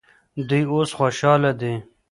دوی اوس خوشحاله دي.